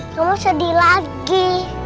kamu sedih lagi